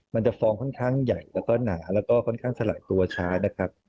ฟองค่อนข้างใหญ่แล้วก็หนาแล้วก็ค่อนข้างสละตัวช้านะครับ